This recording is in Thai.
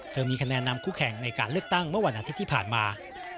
มีคะแนนนำคู่แข่งในการเลือกตั้งเมื่อวันอาทิตย์ที่ผ่านมา